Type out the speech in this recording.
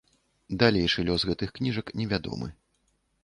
Далейшы лёс гэтых кніжак невядомы.